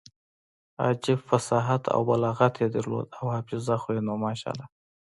عجب فصاحت او بلاغت يې درلود او حافظه خو يې نو ماشاالله.